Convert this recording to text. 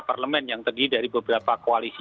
parlemen yang terdiri dari beberapa koalisi